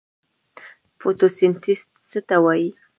فوتوسنتیز څه ته وایي؟